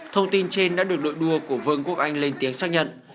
thông tin trên đã được đội đua của vương quốc anh lên tiếng xác nhận